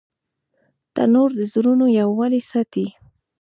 تنور د زړونو یووالی ساتي